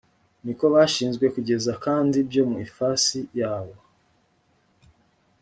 ni ko bashinzwe kugenza kandi byo mu ifasi yabo